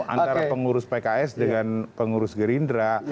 antara pengurus pks dengan pengurus gerindra